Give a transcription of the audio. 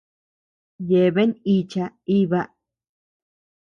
Yeaben icha iba.